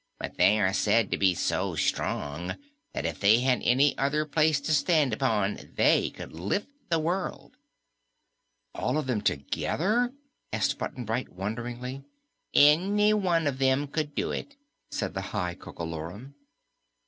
But they are said to be so strong that if they had any other place to stand upon they could lift the world." "All of them together?" asked Button Bright wonderingly. "Any one of them could do it," said the High Coco Lorum.